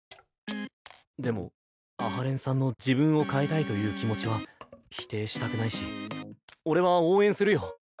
でも阿波連さんの自分を変えたいという気持ちは否定したくないし俺は応援するよ。